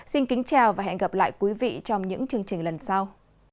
xin kính chào và hẹn gặp lại quý vị trong những chương trình lần sau